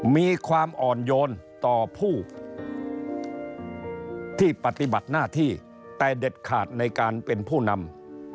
มีความอ่อนโยนต่อผู้ที่ปฏิบัติหน้าที่แต่เด็ดขาดในการเป็นผู้นำ